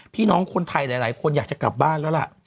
พี่น้องคนไทยหลายคนอยากจะกลับบ้านแล้วล่ะ